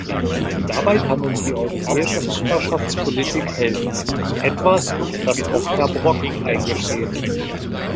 Dabei kann uns die Europäische Nachbarschaftspolitik helfen, etwas, das auch Herr Brok eingesteht.